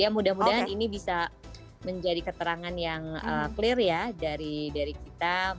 ya mudah mudahan ini bisa menjadi keterangan yang clear ya dari kita